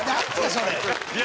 それ。